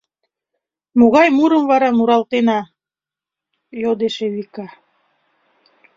— Могай мурым вара муралтена? — йодеш Эвика.